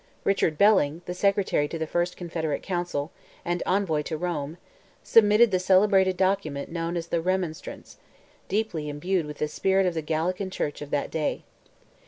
Richard Belling, the secretary to the first Confederate Council, and Envoy to Rome, submitted the celebrated document known as "The Remonstrance," deeply imbued with the spirit of the Gallican church of that day.